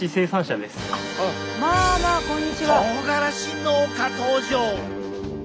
とうがらし農家登場！